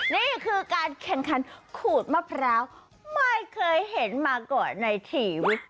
นี่คือการแข่งขันขูดมะพร้าวไม่เคยเห็นมาก่อนในชีวิต